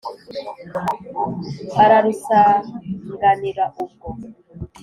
Ararusanganira ubwo.